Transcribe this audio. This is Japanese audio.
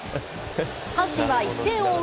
阪神は１点を追う